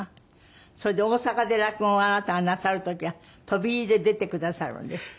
それで大阪で落語をあなたがなさる時は飛び入りで出てくださるんですって？